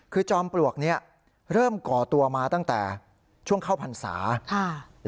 คือจอมปลวกนี้เริ่มก่อตัวมาตั้งแต่ช่วงเข้าพรรษา